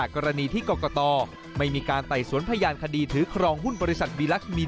ขอบคุณครับ